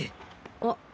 あっ！？